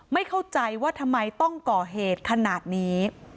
ไม่เข้าใจว่าทำไมต้องก่อเหตุขนาดนี้